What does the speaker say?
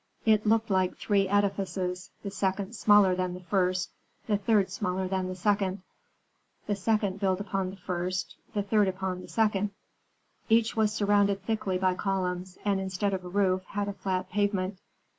It looked like three edifices, the second smaller than the first, the third smaller than the second; the second built upon the first, the third upon the second. Each was surrounded thickly by columns, and instead of a roof had a flat pavement.